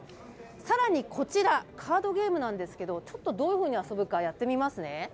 さらにこちら、カードゲームなんですけど、ちょっとどういうふうに遊ぶか、やってみますね。